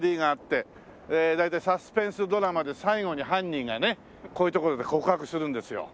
大体サスペンスドラマで最後に犯人がねこういう所で告白するんですよ。